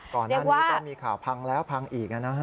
ก่อนหน้านี้ก็มีข่าวพังแล้วพังอีกนะฮะ